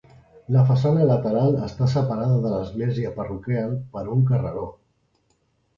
La façana lateral està separada de l'església parroquial per un carreró.